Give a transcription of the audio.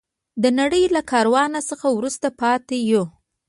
د نړۍ له کاروان څخه وروسته پاتې یو.